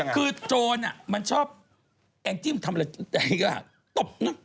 คือโจรมันชอบแองจิ้มทำอะไรก็ตบนะ